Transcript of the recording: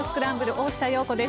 大下容子です。